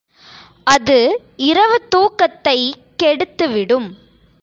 அது இரவு தூக்ததைக் கெடுத்துவிடும்.